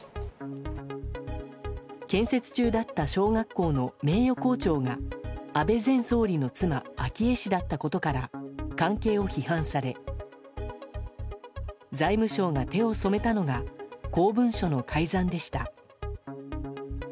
建設中だった小学校の名誉校長が安倍前総理の妻昭恵氏だったことから関係を批判され財務省が手を染めたのが公文書の改ざんでした。